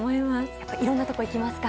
やっぱ、いろんなところ行きますか？